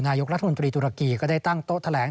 นายกรัฐมนตรีตุรกีก็ได้ตั้งโต๊ะแถลง